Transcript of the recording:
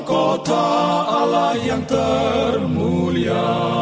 kota allah yang termunya